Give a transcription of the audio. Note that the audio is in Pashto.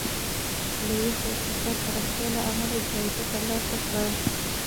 لویس د اقتصادي پراختیا له امله جایزه ترلاسه کړه.